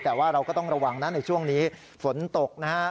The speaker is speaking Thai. แต่ว่าเราก็ต้องระวังนะในช่วงนี้ฝนตกนะฮะ